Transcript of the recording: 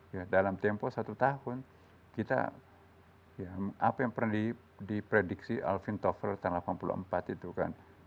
ya dalam tempo satu tahun kita ya apa yang pernah diprediksi alvin tover tahun seribu sembilan ratus delapan puluh empat itu kan